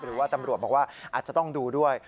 หรือว่าตำรวจบอกว่าอาจจะต้องดูด้วย